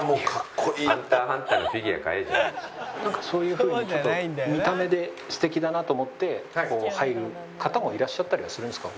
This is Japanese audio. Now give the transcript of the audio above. なんかそういう風にちょっと見た目で素敵だなと思って入る方もいらっしゃったりはするんですか？